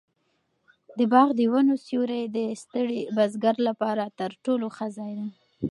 د باغ د ونو سیوری د ستړي بزګر لپاره تر ټولو ښه ځای دی.